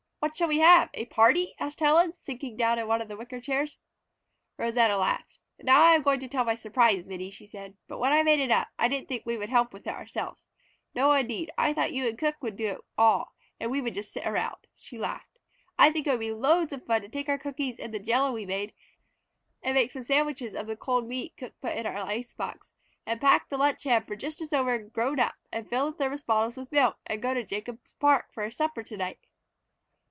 "What shall we have? A party?" asked Helen, sinking down in one of the wicker chairs. Rosanna laughed. "Now I am going to tell my surprise, Minnie," she said. "But when I made it up I didn't think we would help with it ourselves. No, indeed; I thought you and cook would have to do it all, and we would just sit around." She laughed. "I think it would be loads of fun to take our cookies and the jello we made, and make some sandwiches of the cold meat cook put in our ice box, and pack the lunch hamper just as though we were grown up, and fill the thermos bottles with milk, and go to Jacobs Park for supper to night."